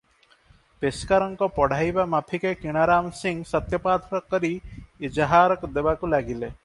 ପେସ୍କାରଙ୍କ ପଢ଼ାଇବା ମାଫିକେ କିଣାରାମ ସିଂ ସତ୍ୟପାଠ କରି ଇଜାହାର ଦେବାକୁ ଲାଗିଲେ ।